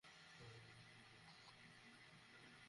উত্তরটি বোস-আইনস্টাইনের স্ট্যাটিসটিকসের মাধ্যমেও পাওয়া যেতে পারে।